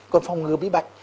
còn phòng ngừa bị bệnh